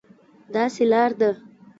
داسې لار ده،